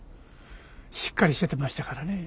しっかりしてましたからね。